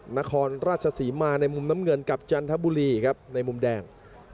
นครราชศรีมาในมุมน้ำเงินกับจันทบุรีครับในมุมแดง